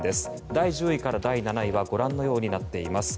第１０位から第７位はご覧のようになっています。